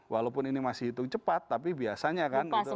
walaupun ini masih hitung cepat tapi biasanya kan